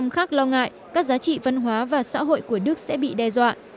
ba mươi khác lo ngại các giá trị văn hóa và xã hội của đức sẽ bị đe dọa